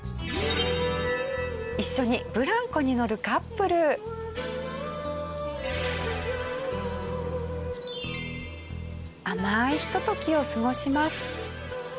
一緒にブランコに乗るカップル。を過ごします。